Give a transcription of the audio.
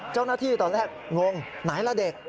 เจ้าหน้าที่ตอนแรกงงไหนล่ะเด็ก